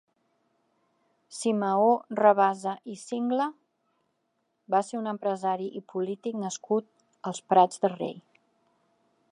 Simeó Rabasa i Singla va ser un empresari i polític nascut als Prats de Rei.